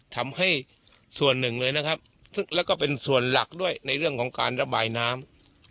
ทำให้ส่วนหนึ่งเลยนะครับแล้วก็เป็นส่วนหลักด้วยในเรื่องของการระบายน้ำ